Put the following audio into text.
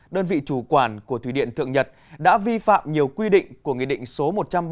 đơn vị chủ quản của thủy điện thượng nhật đã vi phạm nhiều quy định của nghị định số một trăm ba mươi bốn hai nghìn một mươi ba